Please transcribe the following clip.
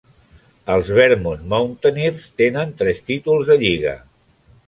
Els Vermont Mountaineers tenen tres títols de lliga.